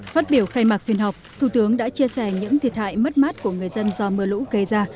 phát biểu khai mạc phiên họp thủ tướng đã chia sẻ những thiệt hại mất mát của người dân do mưa lũ gây ra